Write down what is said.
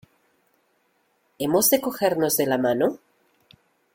¿ Hemos de cogernos de la mano?